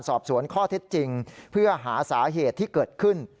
สอบสวนข้อเท็จจริงเพื่อหาสาเหตุที่เกิดขึ้น